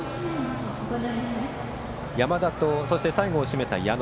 山田と最後を締めた矢野。